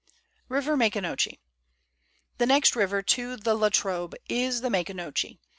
1 RIVER MACONOCHIE. The next river to the La Trobe is the Maconochie.